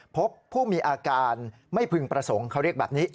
พบผู้มีอาการไม่พึงประสงค์เขาเรียกแบบนี้